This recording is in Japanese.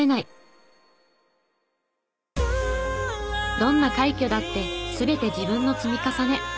どんな快挙だってすべて自分の積み重ね。